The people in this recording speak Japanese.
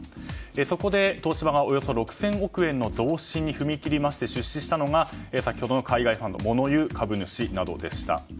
そこで東芝がおよそ６０００億円の増資に踏み切り出資したのが先ほどの海外ファンド物言う株主などでした。